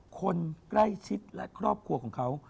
คนใกล้ชิดและครอบครัวของเขา